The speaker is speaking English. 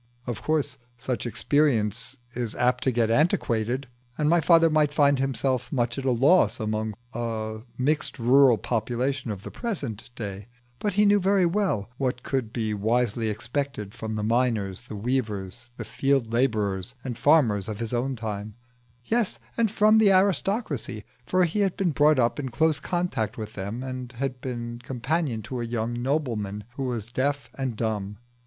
Of course such experience is apt to get antiquated, and my father might find himself much at a loss amongst a mixed rural population of the present day; but he knew very well what could be wisely expected from the miners, the weavers, the field labourers, and farmers of his own time yes, and from the aristocracy, for he had been brought up in close contact with them and had been companion to a young nobleman who was deaf and dumb.